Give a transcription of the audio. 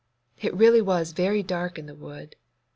It really was very dark in the wood.